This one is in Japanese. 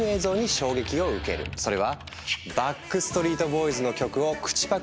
それはバックストリート・ボーイズの曲を口パクで熱唱する学生の動画。